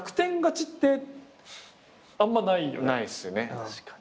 確かに。